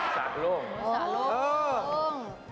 สาโล่งอ๋อเออสาโล่ง